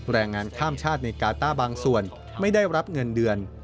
แรงงานข้ามชาติในกาต้าบางส่วนไม่ได้รับเงินเดือน